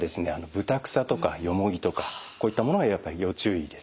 ブタクサとかヨモギとかこういったものがやっぱり要注意ですね。